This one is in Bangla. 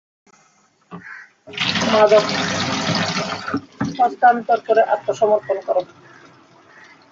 মাদক হস্তান্তর করে আত্মসমর্পণ কর।